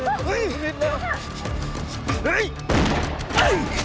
นู่นนี่